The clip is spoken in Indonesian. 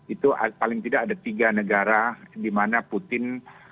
itu paling tidak ada tiga negara di mana putin